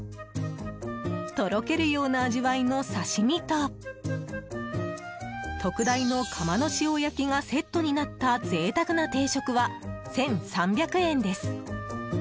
とろけるような味わいの刺し身と特大のカマの塩焼きがセットになった贅沢な定食は１３００円です。